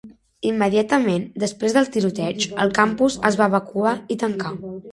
Immediatament després del tiroteig, el campus es va evacuar i tancar.